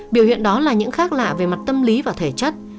biểu hiện đó là những khác lạ về mặt tâm lý và thể chất